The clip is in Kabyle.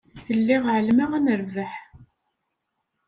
Lliɣ εelmeɣ ad nerbeḥ.